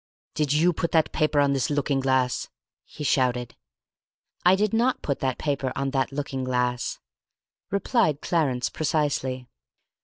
"Did you put that paper on this looking glass?" he shouted. "I did not put that paper on that looking glass," replied Clarence precisely.